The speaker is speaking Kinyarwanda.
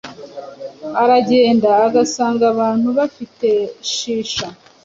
uragenda ugasanga abantu bafite Shisha,